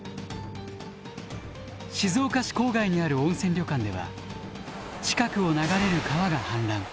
静岡市郊外にある温泉旅館では近くを流れる川が氾濫。